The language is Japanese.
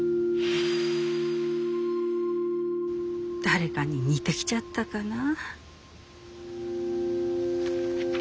誰かに似てきちゃったかな。